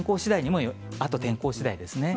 あとは天候次第ですね。